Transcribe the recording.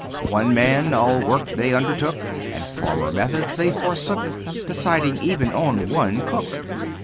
One man all work then undertook, And former methods they forsook, Deciding even on one cook.